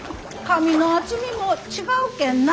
紙の厚みも違うけんな